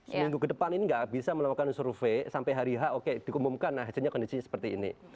seminggu ke depan ini nggak bisa melakukan survei sampai hari h oke dikumumkan hasilnya kondisinya seperti ini